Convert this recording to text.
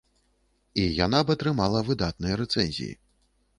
І яна б атрымала выдатныя рэцэнзіі.